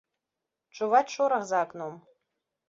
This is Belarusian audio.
Чуваць шорах за акном.